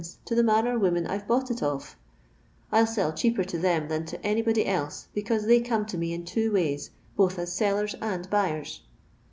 to the man or woman I 'vc bo'.!;;ht it of, I 11 sell cheaper to them than to any body else, because they come to me in two ways — both as sellers and buyers.